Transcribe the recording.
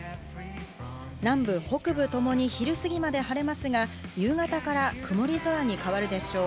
南部、北部ともに昼すぎまで晴れますが、夕方から曇り空に変わるでしょう。